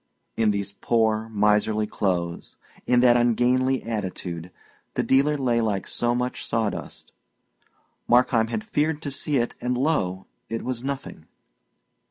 In these poor, miserly clothes, in that ungainly attitude, the dealer lay like so much sawdust. Markheim had feared to see it, and, lo! it was nothing.